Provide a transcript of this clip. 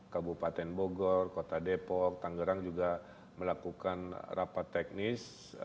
kabupaten bogor kota depok tanggerang juga melakukan rapat teknis